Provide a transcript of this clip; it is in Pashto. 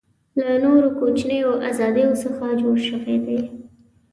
له نورو کوچنیو آزادیو څخه جوړ دی.